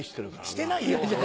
してないよ！